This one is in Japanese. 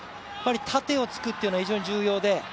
縦を突くっていうのは非常に重要で。